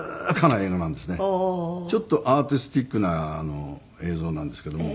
ちょっとアーティスティックな映像なんですけども。